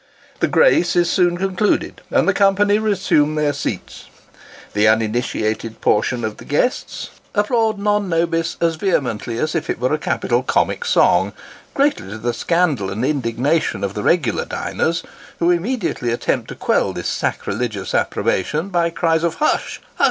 The grace is soon concluded, and the company resume their seats. The uninitiated portion of the guests applaud Non nobis as vehemently as if it were a capital comic song, greatly to the scandal and indignation of the regular diners, who immediately attempt to quell this sacrilegious approbation, by cries of " Hush, hush !